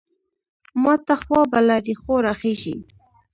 ماته خوا به له رېښو راخېژي.